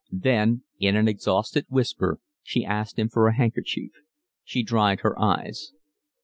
Then in an exhausted whisper she asked him for a handkerchief. She dried her eyes.